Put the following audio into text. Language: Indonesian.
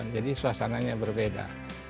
jadi suasananya berbeda